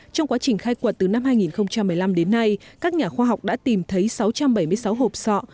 trong quá trình khai quật từ năm hai nghìn một mươi năm đến nay các nhà khoa học đã tìm thấy sáu trăm bảy mươi sáu hộp sọ